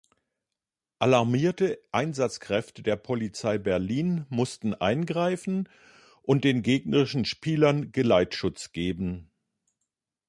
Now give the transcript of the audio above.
Alarmierte Einsatzkräfte der Polizei Berlin mussten eingreifen und den gegnerischen Spielern Geleitschutz geben.